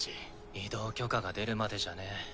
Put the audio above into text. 移動許可が出るまでじゃね？